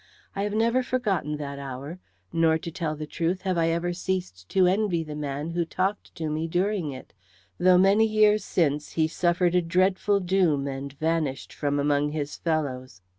I have never forgotten that hour, nor to tell the truth have I ever ceased to envy the man who talked to me during it, though many years since he suffered a dreadful doom and vanished from among his fellows.